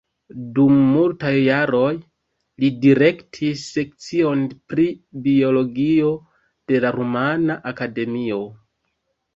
Dum multaj jaroj li direktis sekcion pri biologio de la Rumana Akademio.